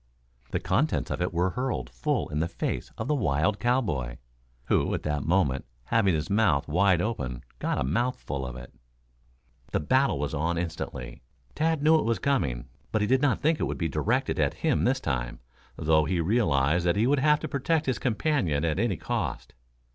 The contents of it were hurled full in the face of the wild cowboy, who at that moment, having his mouth wide open, got a mouthful of it. The battle was on instantly. Tad knew it was coming, but he did not think it would be directed at him this time, though he realized that he would have to protect his companion at any cost.